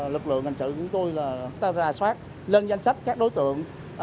lực lượng hành sự của tôi ra soát lên danh sách các đối tượng